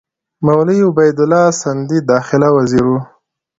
مولوي عبیدالله سندي داخله وزیر وو.